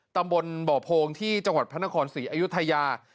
ตำบลบ่อโพงที่จังหวัดพระนครศรีอยุธยา